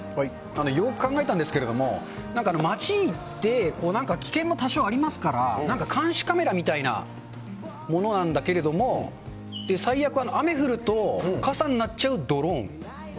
よーく考えたんですけれども、街行って、なんか危険も多少ありますから、なんか監視カメラみたいなものなんだけれども、最悪、雨降ると、傘になっちゃうドローン。